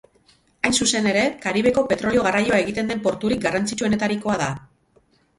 Hain zuzen ere, Karibeko petrolio-garraioa egiten den porturik garrantzitsuenetarikoa da.